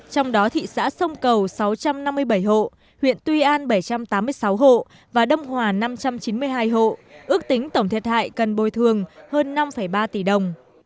trong đó thị xã sông cầu sáu trăm năm mươi bảy hộ huyện tuy an bảy trăm tám mươi sáu hộ và đông hòa năm trăm chín mươi hai hộ ước tính tổng thiệt hại cần bồi thường hơn năm ba tỷ đồng